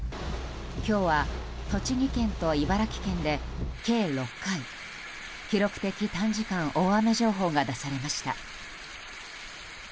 今日は栃木県と茨城県で計６回記録的短時間大雨情報が出されました。